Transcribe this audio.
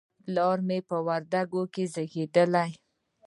پلار مې په وردګ ولایت کې زیږدلی